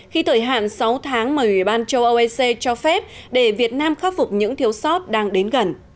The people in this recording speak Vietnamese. khi thời hạn sáu tháng mà ủy ban châu âu ec cho phép để việt nam khắc phục những thiếu sót đang đến gần